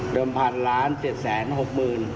เริ่มพันล้าน๗๖๐๐๐๐บาท